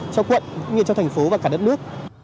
cho quận cũng như trong thành phố và cả đất nước